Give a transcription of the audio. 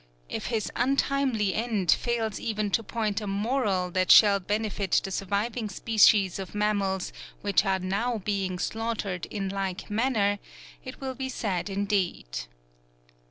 If his untimely end fails even to point a moral that shall benefit the surviving species of mammals which are now being slaughtered in like manner, it will be sad indeed.